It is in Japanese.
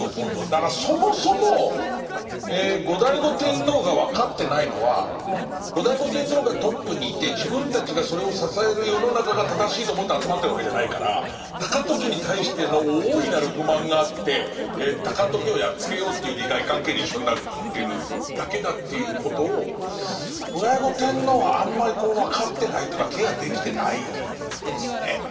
だからそもそも後醍醐天皇が分かってないのは後醍醐天皇がトップにいて自分たちがそれを支える世の中が正しいと思って集まってるわけじゃないから高時に対しての大いなる不満があって高時をやっつけようという利害関係で一緒になってるだけだということを後醍醐天皇はあんまり分かってないというかケアできてないですね。